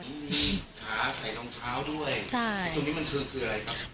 มีขาใส่รองเท้าด้วยใช่ไอ้ตรงนี้มันคือคืออะไรครับ